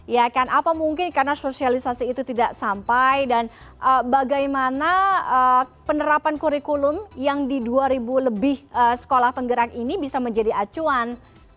ya kan apa mungkin karena sosialisasi itu tidak sampai dan bagaimana penerapan kurikulum yang di dua ribu lebih sekolah penggerak ini bisa menjadi acuan